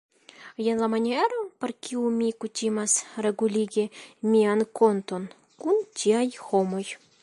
Jen la maniero, per kiu mi kutimas reguligi mian konton kun tiaj homoj!